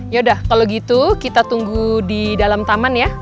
ya udah kalau gitu kita tunggu di dalam taman ya